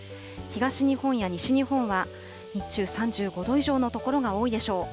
東日本や西日本は日中、３５度以上の所が多いでしょう。